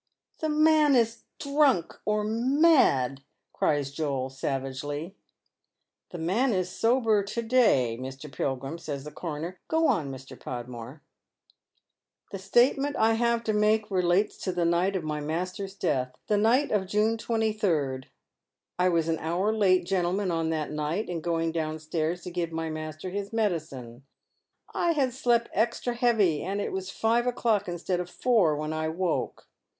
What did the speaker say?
" The man is drunk or mad !" cries Joel, savagely. " The man is sober to day, Mr. Pilgrim," says the coroner. " Go on, Mr. Podmore." " The statement I have to make relates to the night of my master's death, the night of June 23rd. I was an hour late, j^entlemen, on that night in going downstairs to give my master his medicine. I had slep' extra heavy, and it was five o'clock instead of four when I woke.